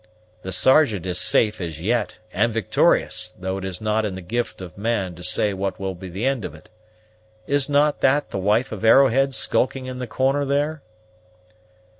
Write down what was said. "The Sergeant is safe as yet, and victorious; though it is not in the gift of man to say what will be the ind of it. Is not that the wife of Arrowhead skulking in the corner there?"